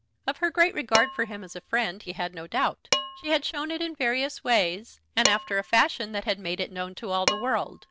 Of her great regard for him as a friend he had no doubt. She had shown it in various ways, and after a fashion that had made it known to all the world.